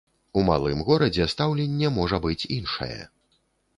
У малым горадзе стаўленне можа быць іншае.